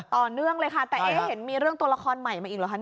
ต่อเนื่องเลยค่ะแต่เอ๊ะเห็นมีเรื่องตัวละครใหม่มาอีกเหรอคะ